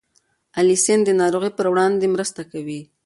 الیسین د ناروغیو پر وړاندې مرسته کوي.